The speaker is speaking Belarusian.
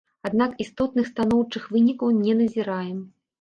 Аднак істотных станоўчых вынікаў не назіраем.